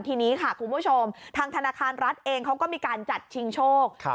ทีนี้ค่ะคุณผู้ชมทางธนาคารรัฐเองเขาก็มีการจัดชิงโชค